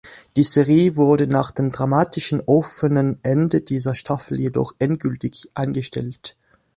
Die Serie wurde nach dem dramatischen offenen Ende dieser Staffel jedoch endgültig eingestellt.